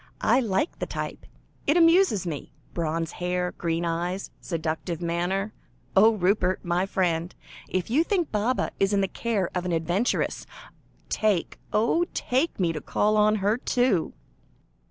"I like the type; it amuses me. Bronze hair, green eyes, seductive manner. Oh! Rupert, my friend, if you think Baba is in the care of an adventuress, take, oh take me to call on her too!"